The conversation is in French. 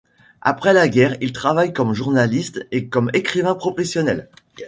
Après la guerre, il travaille comme journaliste et comme écrivain professionnel.